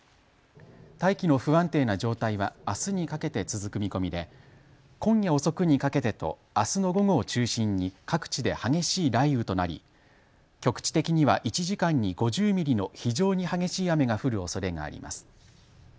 大気の不安定な状態はあすにかけて続く見込みで今夜遅くにかけてとあすの午後を中心に各地で激しい雷雨となり局地的には１時間に５０ミリの非常に激しい雨が降るおそれがあります。